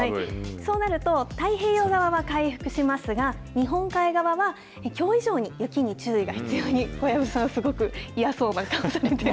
そうなると、太平洋側は回復しますが、日本海側はきょう以上に雪に注意が必要に、小籔さん、すごく嫌そうな顔されてる。